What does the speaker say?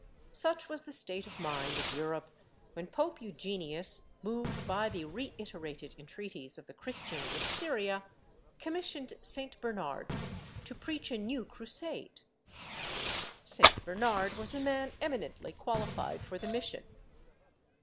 Such was the state of mind of Europe when Pope Eugenius, moved by the reiterated entreaties of the Christians of Syria, commissioned St. Bernard to preach a new Crusade. St. Bernard was a man eminently qualified for the mission.